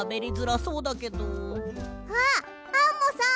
あっアンモさん！